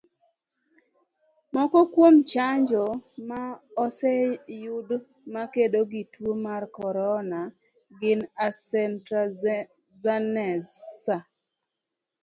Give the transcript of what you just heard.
Moko kuom chanjo ma oseyud ma kedo gi tuo mar corona gin Astrazeneca,